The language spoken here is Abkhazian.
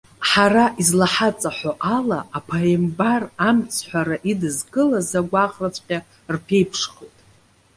Ҳара излаҳаҵаҳәо ала, аԥааимбар амцҳәара идызкылаз агәаҟраҵәҟьа рԥеиԥшхоит.